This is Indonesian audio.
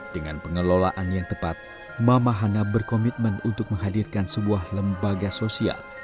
dengan pengelolaan yang tepat mama hana berkomitmen untuk menghadirkan sebuah lembaga sosial